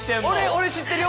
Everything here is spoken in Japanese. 俺知ってるよ。